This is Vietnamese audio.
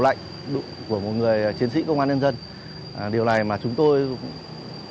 lạnh của một người chiến sĩ công an nhân dân điều này mà chúng tôi cũng không có thể giải quyết được